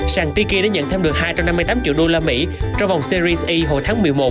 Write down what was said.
sàn tiki đã nhận thêm được hai trăm năm mươi tám triệu đô la mỹ trong vòng series hồi tháng một mươi một